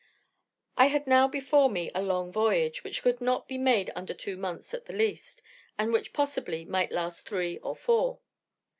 I had now before me a long voyage, which could not be made under two months at the least, and which, possibly, might last three or four.